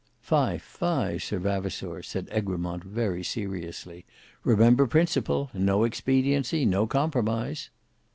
"Fie, fie, Sir Vavasour," said Egremont very seriously, "remember principle: no expediency, no compromise."